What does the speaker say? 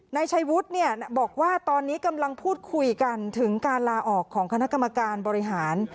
นายชัยวุฒิเนี่ยบอกว่าตอนนี้กำลังพูดคุยกันถึงการลาออกของคณะกรรมการบริหาร